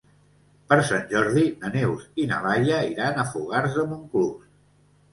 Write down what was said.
Per Sant Jordi na Neus i na Laia iran a Fogars de Montclús.